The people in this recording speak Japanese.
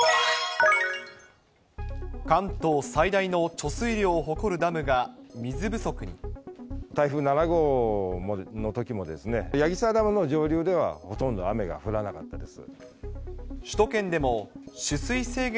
関東最大の貯水量を誇るダム台風７号のときも、矢木沢ダムの上流ではほとんど雨が降らなかったです。